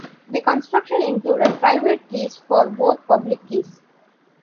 The construction included private keys for both public keys.